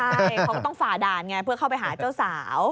ใช่เขาก็ต้องฝ่าด่านไงเพื่อเข้าไปหาเจ้าสาว